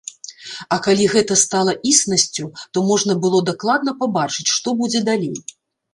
А калі гэта стала існасцю, то можна было дакладна пабачыць што будзе далей.